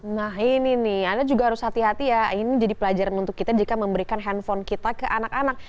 nah ini nih anda juga harus hati hati ya ini jadi pelajaran untuk kita jika memberikan handphone kita ke anak anak